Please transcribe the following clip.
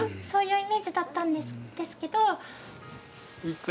そういうイメージだったんですけど。